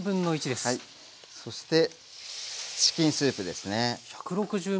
そしてチキンスープですね。